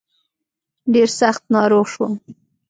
ډېر سخت ناروغ شوم.